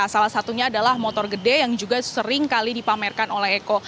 salah satunya adalah motor gede yang juga seringkali dipamerkan oleh eko